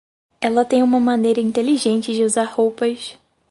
Ela tem uma maneira inteligente de usar roupas.